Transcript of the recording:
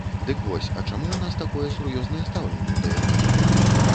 Дык вось, а чаму ў нас такое сур'ёзнае стаўленне да яго?